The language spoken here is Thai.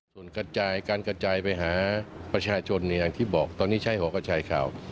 ส่วนกระจายการกระจายไปหาประชาชนเนี่ยอย่างที่บอกตอนนี้ใช้หอกระจายข่าว